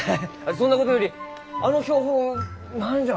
そんなことよりあの標本何じゃ？